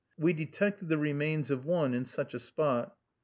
We detected the remains of one in such a spot.